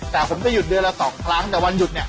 แต่ผมจะหยุดเดือนละสองครั้งแต่วันหยุดเนี่ย